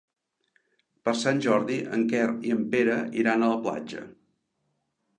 Per Sant Jordi en Quer i en Pere iran a la platja.